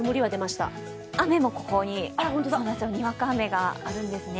雨もここに、にわか雨があるんですね。